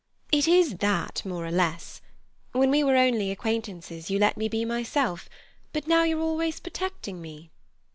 It is that, more or less. When we were only acquaintances, you let me be myself, but now you're always protecting me."